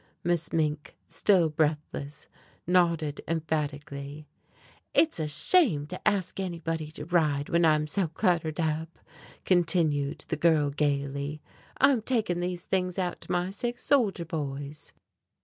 Miss Mink, still breathless, nodded emphatically. "It's a shame to ask anyone to ride when I'm so cluttered up," continued the girl gaily. "I'm taking these things out to my sick soldier boys."